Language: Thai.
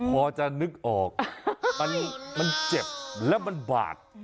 พอจะนึกออกมันเจ็บแล้วมันบาด